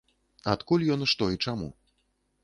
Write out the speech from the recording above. Адкуль ён, што і чаму.